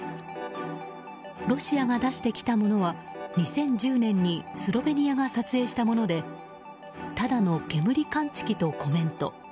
ロシアが出してきたものは２０１０年にスロベニアが撮影したものでただの煙感知器とコメント。